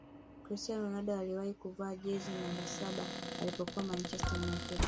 cristiano ronaldo aliwahi kuvaa jezi namba saba alipokuwa manchezter united